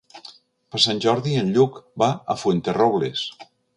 Per Sant Jordi en Lluc va a Fuenterrobles.